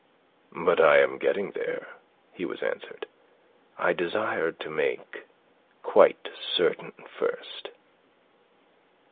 "But I am getting there," he was answered. "I desired to make quite certain first."